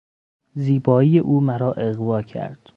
زیبایی او مرا اغوا کرد.